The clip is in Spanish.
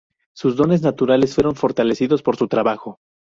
Sus dones naturales fueron fortalecidos por su trabajo.